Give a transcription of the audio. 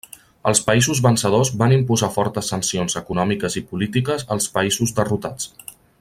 Els països vencedors van imposar fortes sancions econòmiques i polítiques als països derrotats.